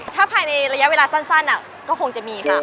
ถ้าภายในระยะเวลาสั้นก็คงจะมีค่ะ